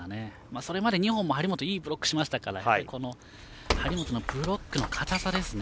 それまで２本、張本がいいブロックしましたから張本のブロックの堅さですね。